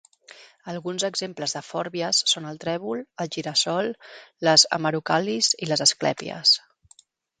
Alguns exemples de fòrbies són el trèvol, el gira-sol, les hemerocal·lis i les asclèpies.